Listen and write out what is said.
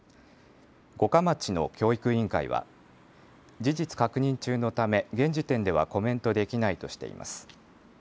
五霞町の教育委員会は事実確認中のため現時点ではコメントできないとしています。